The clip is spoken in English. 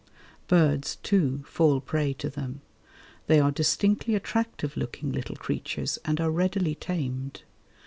Birds, too, fall prey to them. They are distinctly attractive looking little creatures and are readily tamed.